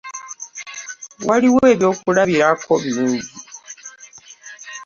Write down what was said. Waliwo ebyokulabirako bingi: